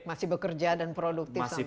masih bekerja dan produktif sampai usia